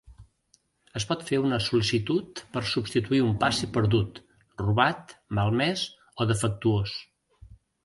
Es pot fer una sol·licitud per substituir un passi perdut, robat, malmès o defectuós.